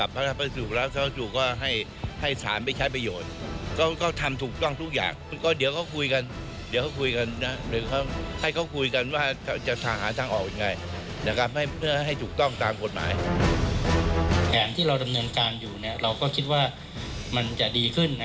ที่เราดำเนินการอยู่เนี่ยเราก็คิดว่ามันจะดีขึ้น